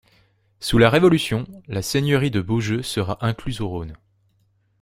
Sous la Révolution, la seigneurie de Beaujeu sera incluse au Rhône.